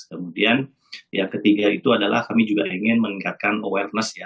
kemudian yang ketiga itu adalah kami juga ingin meningkatkan awareness ya